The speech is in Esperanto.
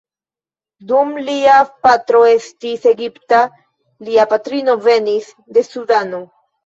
Dum lia patro estis Egipta, lia patrino venis de Sudano.